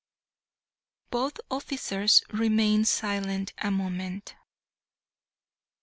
Both officers remained silent a moment.